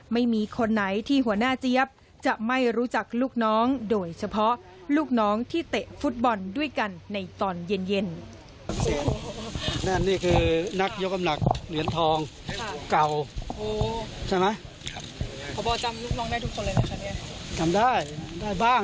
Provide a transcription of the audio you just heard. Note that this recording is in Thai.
ไม่มีคนไหนที่หัวหน้าเจี๊ยบจะไม่รู้จักลูกน้องโดยเฉพาะลูกน้องที่เตะฟุตบอลด้วยกันในตอนเย็น